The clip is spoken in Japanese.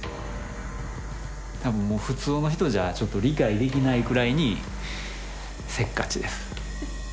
多分もう普通の人じゃちょっと理解できないくらいにせっかちです。